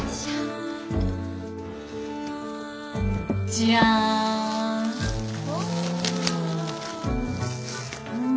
じゃん！